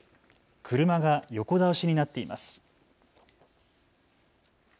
車が横倒しになっています。